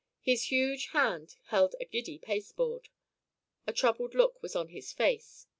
His huge hand held a giddy pasteboard. A troubled look was on his face.